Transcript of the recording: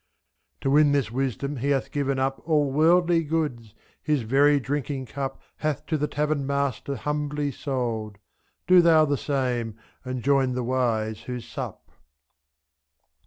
To win this wisdom he hath given up All worldly goods, his very drinking cup z*. Hath to the tavern master humbly sold, — Do thou the same, and join the wise who sup.